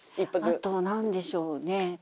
あとなんでしょうね。